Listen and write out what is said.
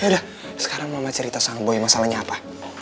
ya udah sekarang mama cerita sama boy masalahnya apa